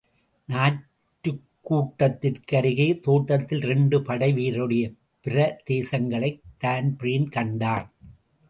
நாற்றுக் கூடத்திற்கு அருகே தோட்டத்தில் இரண்டு படை வீரருடைய பிரதேங்களைத் தான்பிரீன் கண்டான்.